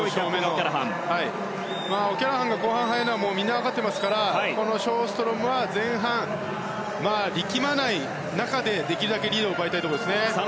オキャラハンが後半に速いのはみんな分かっていますからこのショーストロムは前半、力まない中でできるだけリードを奪いたいところですね。